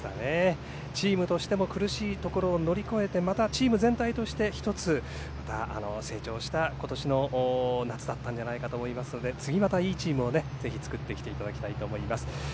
チームとしても苦しいところを乗り越えてまたチーム全体として１つ成長した今年の夏だったんじゃないかと思いますので次、またいいチームをぜひ作ってきていただきたいと思います。